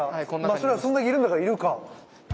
まあそりゃあそんだけいるんだからいるか。